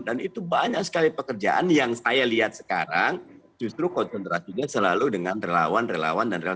dan itu banyak sekali pekerjaan yang saya lihat sekarang justru konsentrasinya selalu dengan relawan relawan